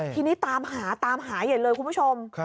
ทีนี้ตามหาตามหาใหญ่เลยคุณผู้ชม